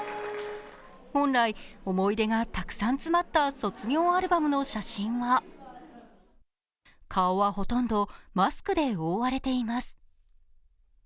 本来、思い出がたくさん詰まった卒業アルバムの写真は顔は、ほとんどマスクで覆われています。